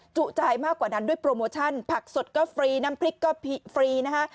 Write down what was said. จุใจมากกว่านั้นด้วยโปรโมชั่นผักสดก็ฟรีน้ำพริกก็ฟรีนะคะ